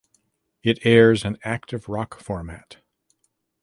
It airs an active rock format.